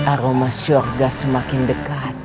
aroma syurga semakin dekat